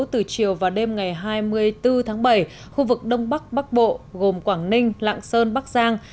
từ chiều và đêm ngày hai mươi bốn tháng bảy khu vực đông bắc bắc bộ gồm quảng ninh lạng sơn bắc giang